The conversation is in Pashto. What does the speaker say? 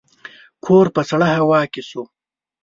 کور په سړه هوا کې شو.